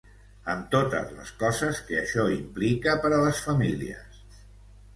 Amb totes les coses que això implica per a les famílies.